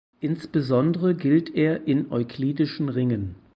Insbesondere gilt er in euklidischen Ringen.